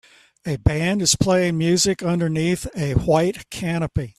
A band is playing music underneath a white canopy